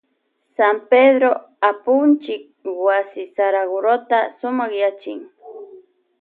San Pedró apunchik wasi Saragurota sumakyachin.